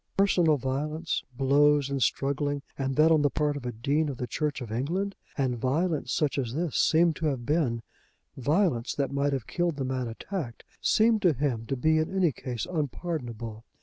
Personal violence; blows and struggling, and that on the part of a Dean of the Church of England, and violence such as this seemed to have been, violence that might have killed the man attacked, seemed to him to be in any case unpardonable.